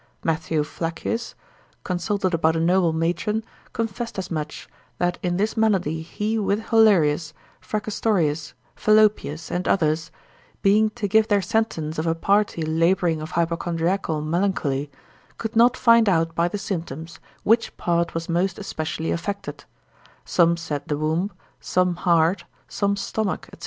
Matthew Flaccius, consulted about a noble matron, confessed as much, that in this malady he with Hollerius, Fracastorius, Falopius, and others, being to give their sentence of a party labouring of hypochondriacal melancholy, could not find out by the symptoms which part was most especially affected; some said the womb, some heart, some stomach, &c.